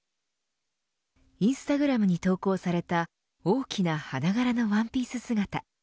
インスタグラムに投稿された大きな花柄のワンピース姿。